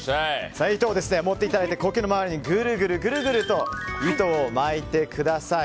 糸を持っていただいて苔の周りにグルグル、グルグルと糸を巻いてください。